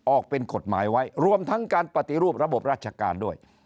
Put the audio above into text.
ออกเป็นกฎหมายไว้รวมทั้งการปฏิรูประบบราชการด้วย